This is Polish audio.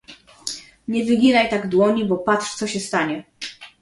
"Nie wyginaj tak dłoni, bo patrz, co się stanie..."